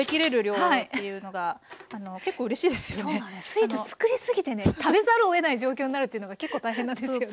スイーツ作りすぎてね食べざるをえない状況になるというのが結構大変なんですよね。